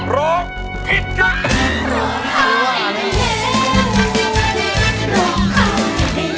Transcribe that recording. ร้องได้ร้องได้